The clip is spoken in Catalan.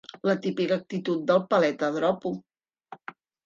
La típica actitud del paleta dropo.